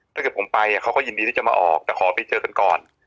ถ้าเกิดผมไปเขาก็ยินดีที่จะมาออกแต่ขอไปเจอกันก่อน